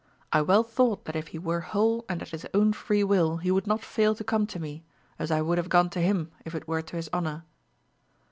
I well thought that if he were whole and at his own free will, he would not fail to come to me, as I would have gone to him if it were to his honour.